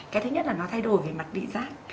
cái thứ nhất là nó thay đổi về mặt địa rác